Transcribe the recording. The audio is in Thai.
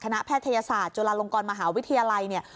แพทยศาสตร์จุฬาลงกรมหาวิทยาลัยเนี่ย